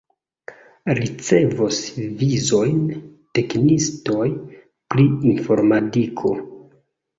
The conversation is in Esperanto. Ricevos vizojn teknikistoj pri informadiko.